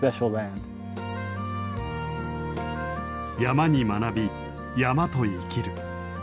山に学び山と生きる。